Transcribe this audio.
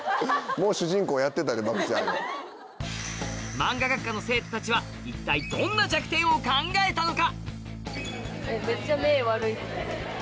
マンガ学科の生徒たちは一体どんな弱点を考えたのか？